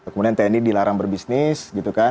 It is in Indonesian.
kemudian tni dilarang berbisnis